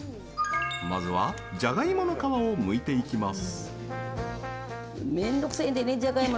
まずは、じゃがいもの皮をむいていきます。